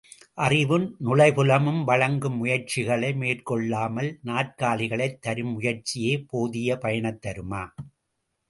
அறிவும் நுழைபுலமும் வழங்கும் முயற்சிகளை மேற்கொள்ளாமல் நாற்காலிகளைத் தரும் முயற்சி போதிய பயனைத்தருமா?